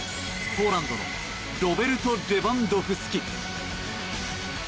ポーランドのロベルト・レバンドフスキ。